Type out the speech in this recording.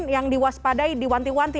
yang diwaspadai diwanti wanti